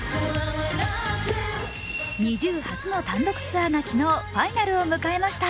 ＮｉｚｉＵ初の単独ツアーが昨日、ファイナルを迎えました。